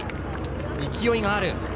勢いがある。